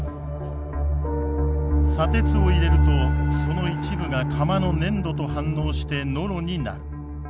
砂鉄を入れるとその一部が釜の粘土と反応してノロになる。